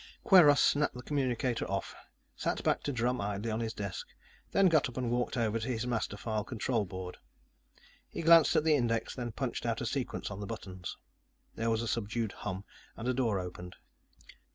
Kweiros snapped the communicator off, sat back to drum idly on his desk, then got up and walked over to his master file control board. He glanced at the index, then punched out a sequence on the buttons. There was a subdued hum and a door opened.